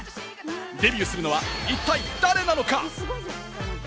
デビューするのは一体誰なのか？